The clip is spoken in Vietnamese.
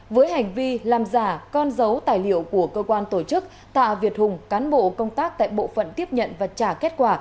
với hành vi làm giả con dấu tài liệu của cơ quan tổ chức tạ việt hùng cán bộ công tác tại bộ phận tiếp nhận và trả kết quả